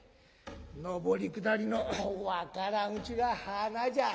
上り下りの分からんうちが花じゃ」。